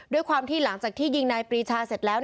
ด้วยความที่หลังจากที่ยิงนายปรีชาเสร็จแล้ว